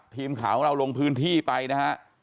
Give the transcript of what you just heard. ทีมข่าวของเราลงพื้นที่ไปนะฮะ